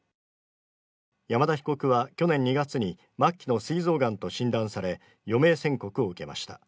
山田被告は去年２月に末期の膵臓がんと診断され、余命宣告を受けました。